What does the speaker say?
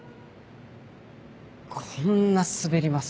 こんなスベります？